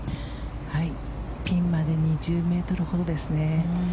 ピンまで２０ｍほどです。